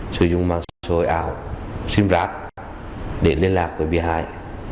sử dụng mạng xã hội ảo simrat để liên lạc với bịa hại